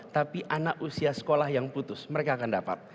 tapi anak usia sekolah yang putus mereka akan dapat